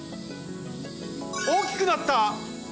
おおきくなった！